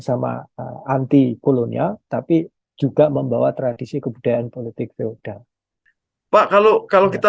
sama antikolonial tapi juga membawa tradisi kebudayaan politik feudal pak kalau kalau kita